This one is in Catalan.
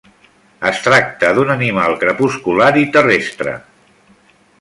Es tracta d'un animal crepuscular i terrestre.